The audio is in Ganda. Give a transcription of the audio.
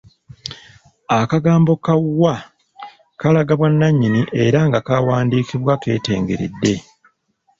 Akagambo ka "wa" kalaga bwanannyini era nga kawandiikibwa keetengeredde.